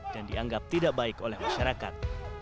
dan dianggap tidak baik oleh masyarakat